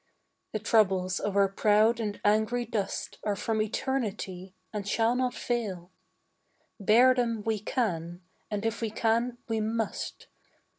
The troubles of our proud and angry dust Are from eternity, and shall not fail. Bear them we can, and if we can we must.